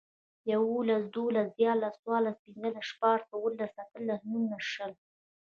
ېولسم، دولسم، ديارلسم، څوارلسم، پنځلسم، شپاړسم، اوولسم، اتلسم، نولسم، شلم